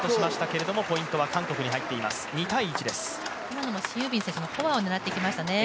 今のもシン・ユビン選手のフォアを狙っていきましたね。